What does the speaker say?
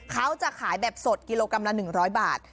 เขาจะขายแบบสดกิโลกรัมละ๑๐๐บาท